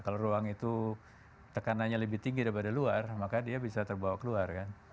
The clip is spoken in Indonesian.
kalau ruang itu tekanannya lebih tinggi daripada luar maka dia bisa terbawa keluar kan